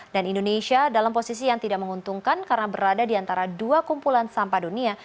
dan indonesia dalam posisi yang tidak menguntungkan karena berada di antara dua kumpulan sampah dunia